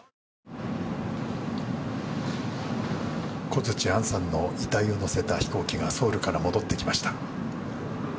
小槌杏さんの遺体を乗せた飛行機がソウルから戻ってきました。